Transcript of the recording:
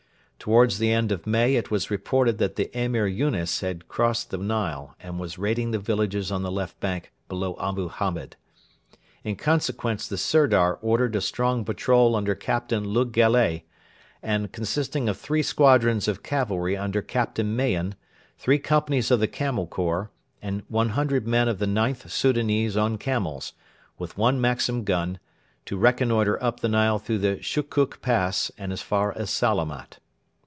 Towards the end of May it was reported that the Emir Yunes had crossed the Nile and was raiding the villages on the left bank below Abu Hamed. In consequence the Sirdar ordered a strong patrol under Captain Le Gallais, and consisting of three squadrons of cavalry under Captain Mahon, three companies of the Camel Corps, and 100 men of the IXth Soudanese on camels, with one Maxim gun, to reconnoitre up the Nile through the Shukuk Pass and as far as Salamat.